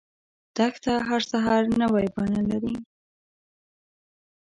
دښته هر سحر نوی بڼه لري.